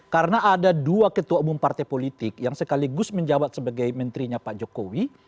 karena ada dua ketua umum partai politik yang sekaligus menjawab sebagai mentrinya pak jokowi